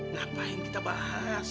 ngapain kita bahas